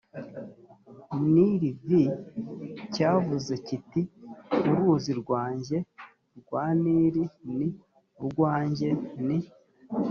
nili v cyavuze kiti uruzi rwanjye rwa nili ni urwanjye ni